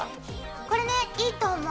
これねいいと思う。